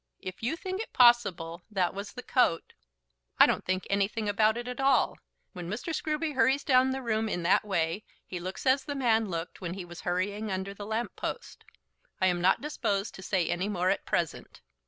If you think it possible that was the coat " "I don't think anything about it at all. When Mr. Scruby hurries down the room in that way he looks as the man looked when he was hurrying under the lamp post. I am not disposed to say any more at present."